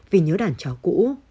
vì nhớ đàn chó cũ